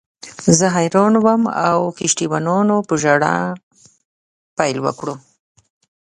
زه حیران وم او کښتۍ وانانو په ژړا پیل وکړ.